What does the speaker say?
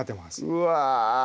うわ